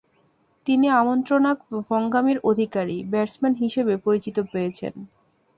তিনি আক্রমণাত্মক ভঙ্গীমার অধিকারী ব্যাটসম্যান হিসেবে পরিচিতি পেয়েছেন।